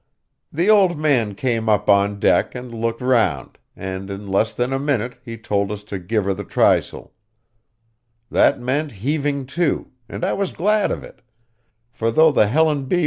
The old man came up on deck and looked round, and in less than a minute he told us to give her the trysail. That meant heaving to, and I was glad of it; for though the _Helen B.